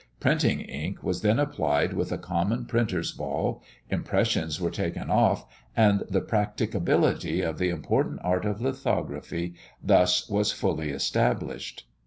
Printing ink was then applied with a common printer's ball, impressions were taken off, and the practicability of the important art of lithography thus was fully established.